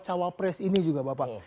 cawapres ini juga bapak